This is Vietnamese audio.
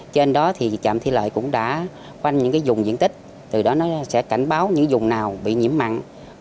trên đó thì trạm thủy lợi cũng đã quanh những dùng diện tích từ đó nó sẽ cảnh báo những dùng nào bị nhiễm mặn